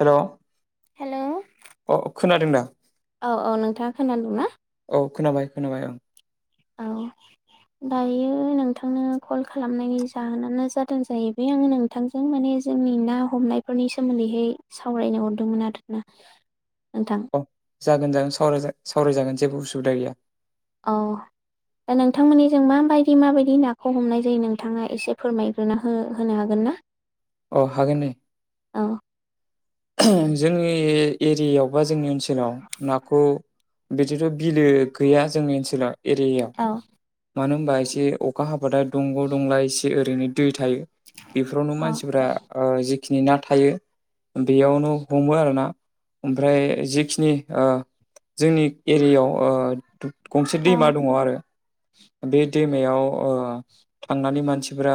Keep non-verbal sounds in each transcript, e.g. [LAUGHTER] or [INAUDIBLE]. हेल' hello अ खोनादों न औ औ नोंथाङा खोनादोंना औ खोनाबाय खोनाबाय ओं औ दायो नोंथांनो कल खालामनायनि जाहोनानो जादों जाहैबाय आं नोंथां जों माने जोंनि ना हमनायफोरनि सोमोन्दैहाय सावरायनो हरदोंमोन आरोना नोंथां औ जागोन जाग सावराय जागोन जेबो उसुबिदा गैया औ दा नोंथांमोननि जों माबायदि माबायदि नाखौ हमनाय जायो नोंथाङा एसे फोरमायग्रोना होनो हागोन ना अ हागोन औ द जोंनि एरियायावा जोंनि ओनसाव नाखौ बिदिथ' बिलो गैया जोंनि ओनसोलाव एरियायाव औ मानो होनबा एसे अखा हाबादा दंग' दंला एसे ओरैनो दै थायो बेफोरावनो औ मानसि जिखिनि ना थायो बेयावनो हमो आरोना ओमफ्राय जिखिनि जोंनि एरियायाव गंसे औ दैमा दङ आरो बे दैमायाव ओ थांनानै मानसिफोरा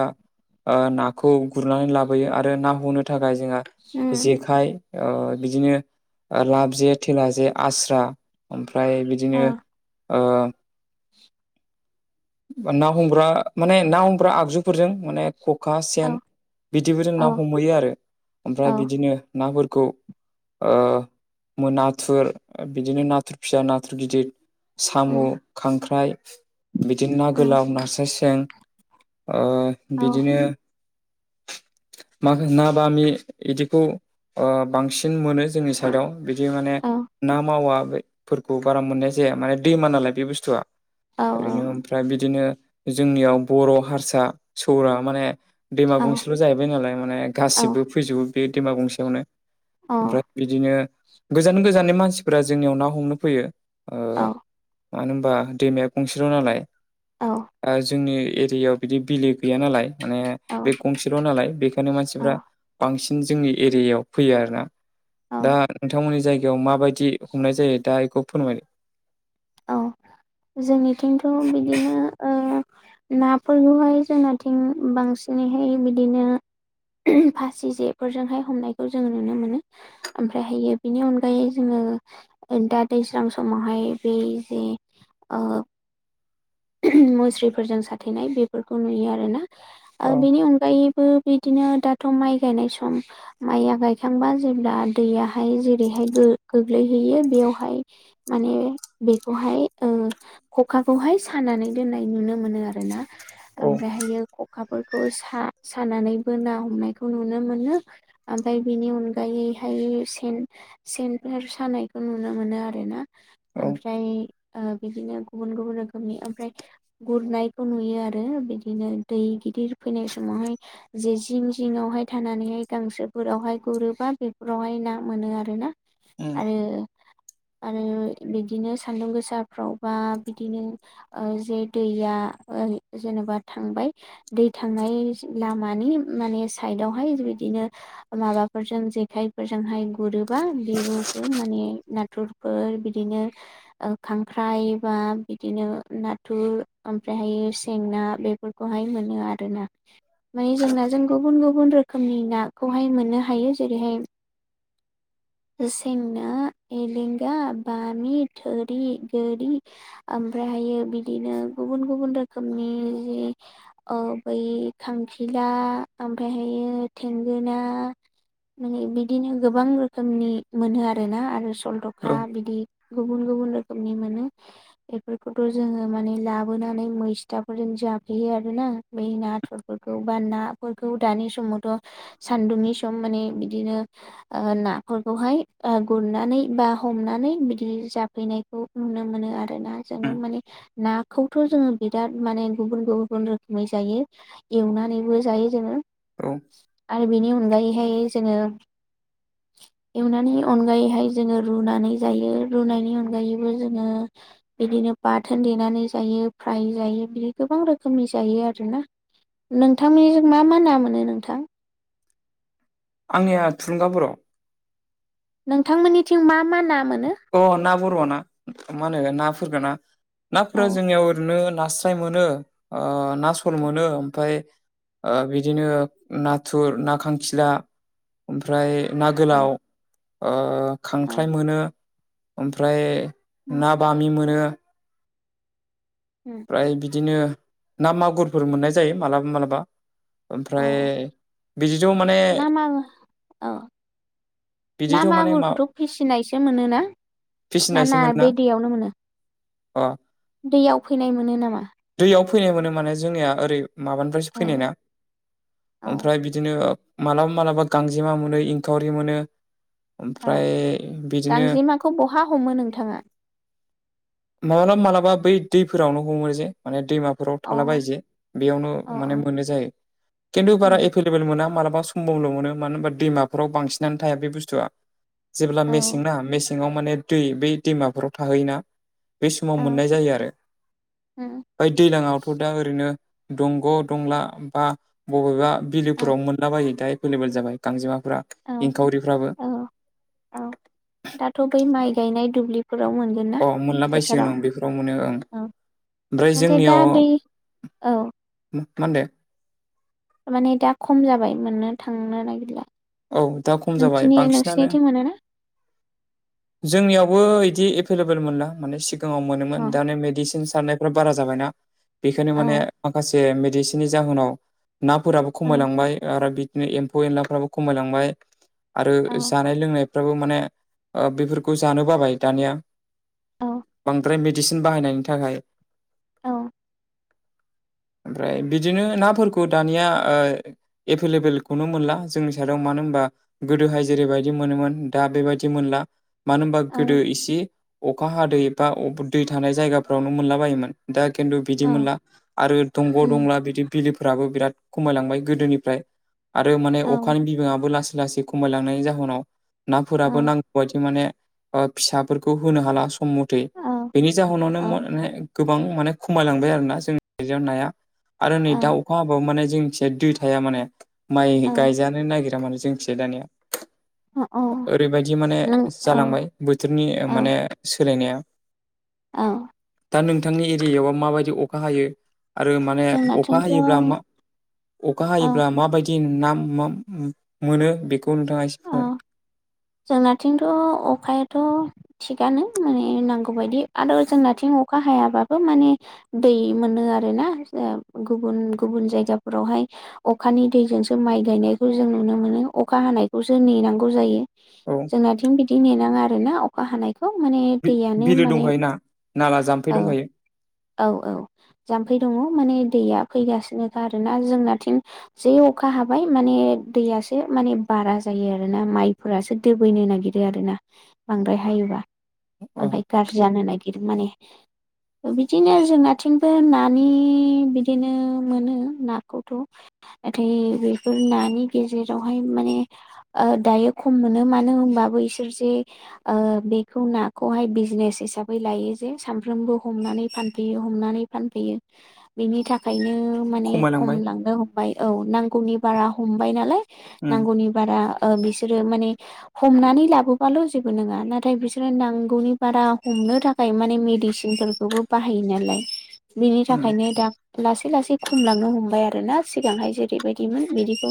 ओ नाखौ गुरनानै लाबोयो आरो ना हमनो थाखाय जोंहा उम जेखाइ ओ बिदिनो लाब जे थेला जे आस्रा ओमफ्राय बिद औ दिनो ओ बा ना हमग्रा माने ना हमग्रा आगजुफोरजों माने खखा औ सेन बिदिबो जों औ ना हमहैयो आरो औ ओमफ्राय बिदिनो नाफोरखौ ओ मो नाथुर बिदिनो नाथुर फिसा नाथुर गिदिर सामु उम खांख्राइ बिदिनो ना उम गोलाव नास्राय सें ओ औ बिदिनो माखा ना बामि इदिखौ ओ बांसिन मोनो जोंनि साइडआव बिदि माने औ ना मावाफोरखौ बारा मोननाया जाया माने दैमा नालाय बे बुस्थुआ औ ओरैनो औ ओमफ्राय बिदिनो जोंनियाव बर' हारसा सौरा माने दैमा गंसेल' जाहैबाय नालाय माने औ गासिबो फैजोबो बे दैमा गंसेयावनो। ओमफ्राय बिदिनो गोजान गोजाननि मानसिफोरा जोंनियाव ना हमनो फैयो। ओ औ मानो होनबा दैमाया गंसेल' नालाय औ ओ जोंनि एरियायाव बिदि बिलो गैया नालाय माने बे गंसेल' नालाय बेखायनो औ मानसिफ्रा बांसिन जोंनि एरियायाव फैयो आरो ना। दा औ नोंथांमोननि जायगायाव माबायदि हमनाय जायो दा एखौ फोरमायदो औ जोंनिथिंथ' बिदिनो ओ नाफोरखौहाय जोंनाथिं बांसिनैहाय बिदिनो [UNINTELLIGIBLE] फासि जेफोरजोंहाय हमनायखौ जोङो नुनो मोनो। ओमफ्रायहायो बिनि अनगायै जोङो दा दैज्लां समावहाय बै जे ओ [UNINTELLIGIBLE] मुस्रिफोरजों साथेनाय बेफोरखौ नुयो आरो ना ओ औ बेनि अनगायै बो बिदिनो दाथ' माइ गायनाय सम माइया गायखांबा जेब्ला दैयाहाय जेरैहाय गो ग्लैहैयो बेयावहाय माने बेखौहाय ओ खखाखौहाय खानानै दोननाय नुनो मोनो आरो ना औ ओमफ्रायहायो खखाफोरखौ सा-सानानैबो ना हमनायखौ नुनो मोनो। ओमफाय बेनि अनगायैहाय सेन सेनफोर सानायखौ नुनो मोनो आरो ना औ ओमफ्राय ओ बिदिनो गुबुन गुबुन रोखोमनि ओमफ्राय गुरनायखौ नुयो आरो बिदिनो दै गिदिर फैनाय समावहाय जे जिं जिंआवहाय थानानैहाय गांसोफोरावहाय गुरोबा बेफोरावहाय ना मोनो आरो ना उम आरो आरो बिदिनो सान्दुं गोसाफ्रावबा बिदिनो ओ जे दैया ओरै जेनेबा थांबाय दै थांनाय लामानि माने साइदावहाय बिदिनो माबाफोरजों जेखायफोरजोंहाय गुरोबा बेखौबो माने नाथुर फोर बिदिनो खांख्राइ बा बि दिनो नाथुर ओमफ्रायहायो सेंना बेफोरखौहाय मोनो आरो ना माने जों नाजों गुबुन गुबुन रोखोमनि नाखौहाय मोननो हायो जेरैहाय- सें ना, एलेंगा, बामि, थोरि, गोरि ओमफ्रायहायो बिदिनो गुबुन गुबुन रोखोमनि जि औ बै खांखिला ओमफ्रायहायो थेंगोना, माने बिदिनो गोबां रोखोमनि मोनो आरोना आरो सलथखा औ बिदि गुबुन गुबुन रोखोमनि मोनो बेफोरखौथ' जोङो माने लाबोनानै मैस्थाफोरजों जाफैयो आरोना बै नाथुरफोरखौ बा नाफोरखौ दानि समावथ' सान्दुंनि सम माने बिदिनो ओ ना फोरखौहाय ओ गुरनानै बा हमनानै बिदि जाफैनायखौ नुनो मोनो आरो। आरोना जोङो उम माने नाखौ थ' जोङो बिराद माने गुबुन गुबुन रोखोमै जायो, एवनानैबो जायो जोङो औ आरो बेनि अनगायैहाय जोङो एवनायनि अनगायैहाय जोङो रुनानै जायो, रुनायनि अनगायैबो जोङो बिदिनो बाथोन देनानै जायो फ्राय जायो बिदि गोबां रोखोमनि जायो आरोना नोंथांनिजों मा मा ना मोनो नोंथां? आंनिया थुलुंगा बर'। नोंथां मोननिथिं मा मा ना मोनो? अ ना बर' ना मा होनो नाफोरफोरखौ ना औ नाफोरा जोंनियाव ओरैनो नास्राय मोनो, ओ ना सल मोनो ओमफ्राय ओ बिदिनो नाथुर, ना खांखिला, ओमफ्राय ना औ गोलाव, ओ औ खांख्राइ मोनो, ओमफ्राय ना बामि मोनो। उम ओमफ्राय बिदिनो ना मागुरफोर मोननाय जायो मालाबा मालाबा। औ ओमफ्राय बिदिथ' माने ना मा औ ना बिदिथ' माने मा मागुरखौथ' फिसिनायसो मोनो ना ना फिसिनायसो ना मोनना बे दैयावनो मोनो? अ दैयाव फैनाय मोनो नामा दैयाव फैनाय मोनो माने जोंनिया ओरै माबानिफ्रायसो ए फैनाय ना औ ओमफ्राय बिदिनो मालाबा मालाबा गांजेमा मोनो, इंखावरि मोनो, औ ओमफ्राय बिदिनो गांजेमाखौ बहा हमो नोंथाङा माब्लाबा मालाबा बै दैफोरावनो हमो जे माने दैमा बेफोराव अ थाला बायो जे बेयावनो अ माने मोननाय जायो। खिन्थु बारा एभेलेबोल मोना। मालाबा समबावल' मोनो मानो होनबा दैमाफोराव बांसिनानो थाया बे बुस्थुआ जेब्ला औ मेसेंना मेसेङाव माने दै बै दैमाफोराव थाहैयोना बे समाव औ मोननाय जायो आरो [INAUDIBLE] ओमफ्राय दैज्लाङावथ' दा ओरैनो दंग' दंला बा बबेबा बिलोफोराव मोनलाबायो दा एभेलेबेल जाबाय गांजेमाफ्रा, औ इंखावरिफ्राबो औ औ दाथ' बै माइ गायनाय दुब्लिफोराव मोन अ मोनला बायसिगोन औ बेफोराव मोनो ओं औ ओमफ्राय नाथाय दा जोंनियाव बै औ मा होनदो? माने दा खम जाबाय मोननो थांनो नागिरला औ दा खम जाबाय नोंसिनि बांसिनानो नोंसिनिथिं मोनोना जोंनियावबो इदि एभेलेबल मोनला माने सि सिङाव मोनोमोन अ दाने मेडिसिन सारनायफ्रा बारा जाबायना बेखायनो माने औ माखासे मेडिसिन बिनि जाहोनाव नाफोराबो औ खमायलांबाय आरो बिदिनो एम्फौ एनलाफ्राबो खमायलांबाय आरो औ जानाय लोंनायफ्राबो माने बेफोरखौ जानो बाबाय दानिया औ बांद्राय मेडिसिन बाहायनायनि थाखाय औ ओमफ्राय बिदिनो नाफोरखौ दानिया एभेलेबोलखौनो मोनला जोंनि साइआव मानो होनोमबा गोदोहाय जेरैबायदि मोनोमोन दा बेबायदि मोनला मानो होनबा औ गोदो इसे अखा हादै बा दै थानाय जायगाफ्रावनो मोनला बायोमोन दा खिन्थु बिदि औ मोनला आरो दंग' उम दंला बिदि बिलोफोराबो बिराद खमायलांबाय गोदोनिफ्राय आरो माने औ अखानि लासै लासै खमायलांनायनि जाहोनाव औ नाफोराबो नांगौबायदि माने फिसाफोरखौ होनो हाला खम मथे औ बेनि औ जाहोनावनो गोबां माने खमायलांबाय आरोना जोंनि नाया आरो नै दा औ अखा हाबाबो माने जों। दै थाया माने माइ औ गायजानो नागिरा मान जोंखिया दानिया औ ओरैबायदि माने नों औ जालांबाय बोथोरनि औ माने सोलायनाया औ दा नोंथांनि एरियायाव माबायदि अखा हायो। आरो माने अखा जोंनाथिंथ' हायोब्ला मा अखा औ हायोब्ला माबायदि नाम मोनो बेखौ नोंथाङा एसे औ जोंनाथिंथ' अखायाथ' थिगानो माने नांगौ बायदि आरो जोंनाथिं अखा हायाबाबो माने दै मोनो आरो ना गुबुन गुबुन जायगाफोरावहाय अखानि दैजोंसो माइ गायनायखौ जों नुनो मोनो। अखा हानायखौ खौसो नेनांगौ जायो औ जोंनाथिं बिदि ननाङा आरोोना अखा हानाय बेखौ माने दैयानो बिलो माने दंखायो ना नाला जाम्फै औ दंखायो औ औ जाम्फै दङ माने दैया फैगासिनोखा आरोोना जोंनाथिं जे अखा हाबाय माने दैयासो माने बारा जायो आरोना माइफोरासो दोबैनो नागिरो आरोना बांद्राय हायोबा। औ ओमफ्राय गाज्रि जानो नागिरो माने बिदिनो जोंनिथिंबो नानि बिदिनो मोनो नाखौथ' नाथाय बेफोर नानि गेजेरावहाय माने दायो खम मोनो मानो होनबाबो इसोर जे बेखौ नाखौहाय बिजनेस हिसाबै लायो जे सानफ्रोमबो हमनानै फानफैयो हमनानै फानफैयो बिनि थाखायनो माने खम खमायलांबाय लांनो हम औ नांगौनि बारा हमबाय नालाय उम नांगौनि बारा बिसोरो माने हमनानै लाबोबाल' जेबो नङा नाथाय बिसोरो नांगौनि बारा हमनो थाखाय थाखाय माने मेडिसिनफोरखौबो बाहायो नालाय बिनि उम थाखायनो दा लासै लासै खमलांनो हमबाय आरो ना सिगांहाय जेरैबायदिमोन बिदिखौ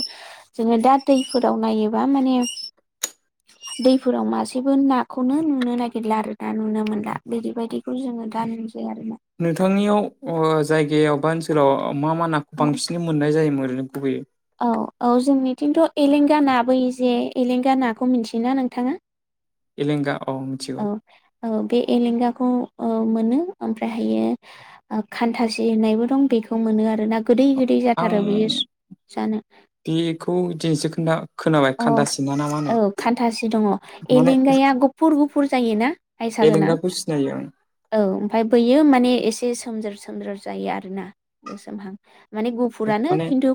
जोङो दा दै फोराव नायोबा माने दैफोराव मासेबो नाखौनो नुनो नागिरला आरो ना नुनो मोनला बिदि बायदि। बे जोङो दानजे आरोना नोंथांनियाव जायगायाव बा ओनसोलाव मा मा नाखौ औ बांसिन मोननाय जायोमोन? गयो। औ औ जोंनिथिंथ' एलेंगा न बोै जे एलेंगा नाखौ मिन्थियोना नोंथाङा? एलगा औ औ बे एलेंगाखौ मोनो ओमफ्राय हायो खान्थासि होननायबो दं बेखौ मोनो आरोना गोदै गोदै आं जाथारो बियो जानो। बेखौ जे जखोना अ औ खान्थासे दङ माने एलेंगाया गुफुर गुफुर जायो ना? एलेंगाखौ सिनायो आं। औ ओमफ्राय बैयो माने एसे सोमजोर सोमजोर जायो आरोना गोसोमहां माने गुब गुफुरानो माने खिन्थु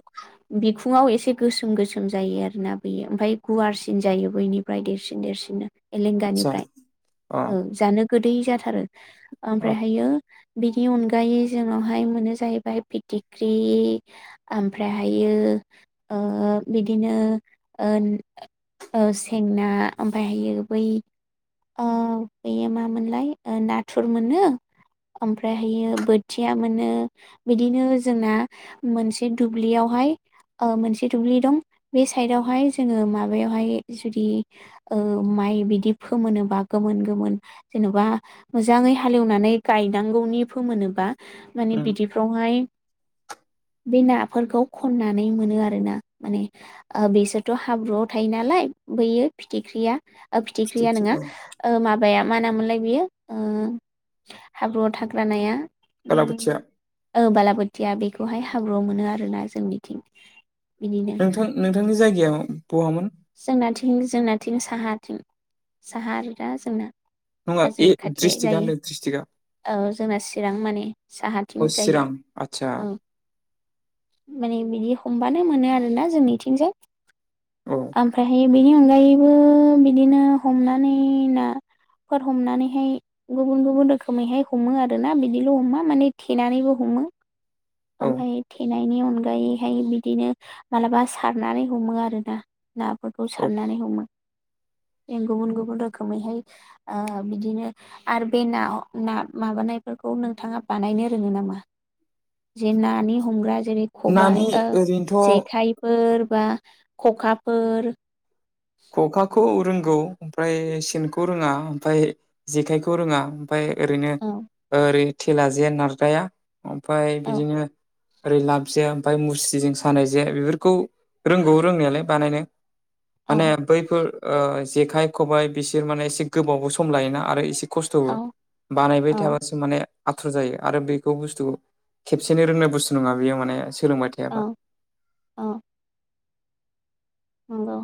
बिखुङाव एसे गोसोम गोसोम जायो आर ना। यो ओमफफ्राय गुवारसिन जायो बैनिफ्राय देरसिन देरसिननो। आदसा एलेंगानिफ्राय अ जानो गोदै जाथारो अ ओमफ्रायहायो बिनि अनगायै जोंनावहाय मोनो जाहैबाय फिथिख्रि ओमफ्रायहायो ओ बिदिनो ओ ओ सेंना ओमफ्रायहायो बै बेयो मामोनलाय नाथुर मोनो। ओमफ्रायहायो बोथिया मोनो। बिदिनो जोंना मोनसे दुब्लियावहाय ओ मोनसे दुब्लि दं बे साइदावहाय जोङो माबायावहाय जुदि माइ बिदि फोमोनोबा गोमोन गोमोन जेन'बा मोजाङै हालेवनानै गायनांगौनि फोमोनोबा माने उम बिदिफ्रावहाय बे नाफोरखौ खननानै मोनो आरो ना माने बेसोर थ हाब्रुआव थायो नालाय बैयो फिथिख्रिया फिथिख्रिया फिथिख्रि नङा औ माबाया मा नामोनलाय बेयो हाब्रुआव थाग्र नाया बालाबोथिया बालाबोथिया बेखौहाय हाब्रुआव मोनो आरोना जोंनिथिं बिनिनो नोंथां नोंथांनि जायगायाव बहामोन जोंनाथिं जोंनाथिं साहाथिं साहा आरो दा जोंना नङा हाजो ए खाथि ड्रिस्टिकआ जायो नै द्रिस्टिरिकआ औ जोंना चिरां माने साहाथिं अ जायो चिरां आदसा औ माने बिदि हमबानो मोनो आरोना जोंनिथिंजाय औ ओमफ्रायहाय बेनि अनगायैबो बिदिनो हमनानै ना फोर हमनानैहाय गुबुन गुबुन रोखोमैहाय हमो आरोना बिदिल' हमा माने थेनानैबो हमो औ ओमफ्राय थेनायनि अनगायैहाय बिदिनो मालाबा सारनानै हमो आरोना नाफोरखौ औ सारनानै हमो। जों गुबुन-गुबुन रोखोमैहाय ओ बिदिनो आरो बे ना ना माबानायफोरखौ नोंथाङा बानायनो रोङो नामा जे नानि हमग्रा जेरै नानि खबाइ ओरैनोथ' जेखाइ फोर बा खखाफोर खखाखौ रोंगौ ओमफ्राय सेनखौ रोङा ओमफ्राय जेखायखौ रोङा ओमफ्राय ओरैनो औ ओरै थेला जे नारग्राया ओमफ्राय औ बिदिनो ओरै लाबजे ओमफ्राय मुस्रिजों सानाय जे बेफोरखौ रोंगौ रोंनायालाय बानायनो औ माने बैफोर जेखाय खबाइ बिसोर माने एसे गोबावबो सम लायोना आरो इसे खस्थ'बो औ बानायबाय औ थाबासो माने आथ' जायो आरो बेखौ बुस्थुखौ खेबसेनो रोंनाय बुस्थु नङा बेयो माने सोलोंबाय थायाबा औ औ नंगौ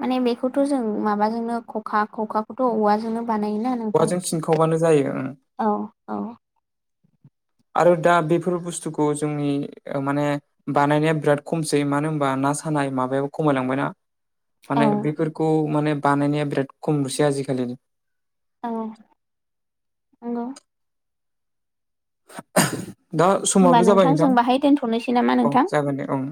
माने बेखौथ' जों माबाजोंनो खखा खखाखौथ' औवाजोंनो बानायोना आरो औवाजों सिनखावबानो जायो औ औ आरो दा बेफोर बुस्थुखौ जोंनि माने बानायनाया बिराद खमसै मानो होनबा ना सानाय माबायाबो खमायलांबायना औ माने बेफोरखौ माने बानायनाया बिराद खमुसै आजिखालिनो औ नंगौ दा होमबा समाबो जाबाय जों नोंथां बाहाय दोनथ'नोसै नामा औ नोंथां जागोन दे औ